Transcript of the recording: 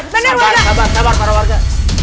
sabar sabar sabar para warga